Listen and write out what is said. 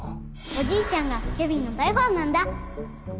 おじいちゃんがケビンの大ファンなんだ！